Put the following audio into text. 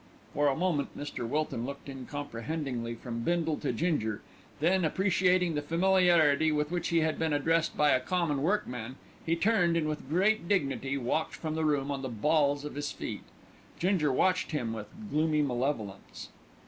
For a moment Mr. Wilton looked uncomprehendingly from Bindle to Ginger; then, appreciating the familiarity with which he had been addressed by a common workman, he turned and, with great dignity, walked from the room on the balls of his feet. Ginger watched him with gloomy malevolence.